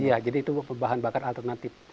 iya jadi itu bahan bakar alternatif